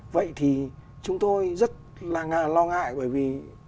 vậy thì chúng tôi rất là lo ngại bởi vì